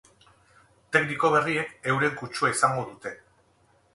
Tekniko berriek euren kutsua izango dute.